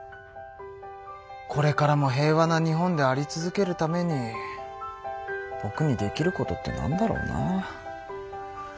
これからも平和な日本であり続けるためにぼくにできることってなんだろうな。